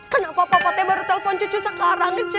kenapa papa tebar telepon cucu sekarang